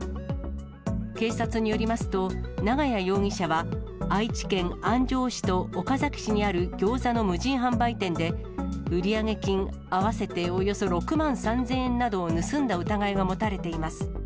警察によりますと、永谷容疑者は、愛知県安城市と岡崎市にあるギョーザの無人販売店で、売上金合わせておよそ６万３０００円などを盗んだ疑いが持たれています。